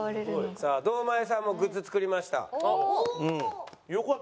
さあ堂前さんもグッズ作りました。